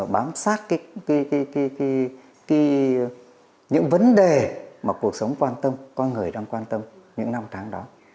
bám sát những vấn đề mà cuộc sống quan tâm con người đang quan tâm những năm tháng đó